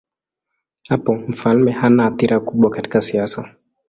Hapo mfalme hana athira kubwa katika siasa.